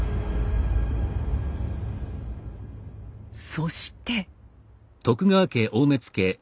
そして。